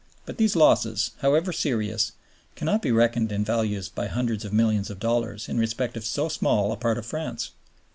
But these losses, however serious, cannot be reckoned in value by hundreds of millions of dollars in respect of so small a part of France.